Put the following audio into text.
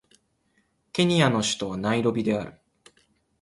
ケニアの首都はナイロビである